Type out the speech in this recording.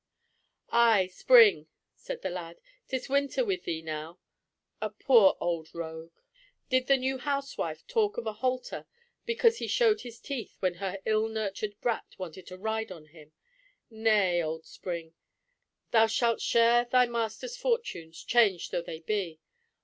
"Ay, Spring," said the lad, "'tis winter with thee now. A poor old rogue! Did the new housewife talk of a halter because he showed his teeth when her ill nurtured brat wanted to ride on him? Nay, old Spring, thou shalt share thy master's fortunes, changed though they be.